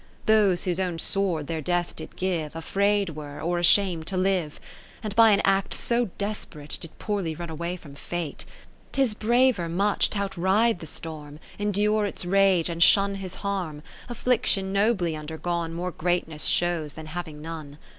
Those whose own sword their death did give. Afraid were or asham'd to live ; 10 And by an act so desperate, Did poorly run away from Fate ; 'Tis braver much t' outride the storm. Endure its rage, and shun his harm^ ; Affliction nobly undergone, More greatness shows than having none.